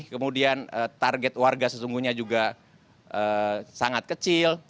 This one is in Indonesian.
kemudian target warga sesungguhnya juga sangat kecil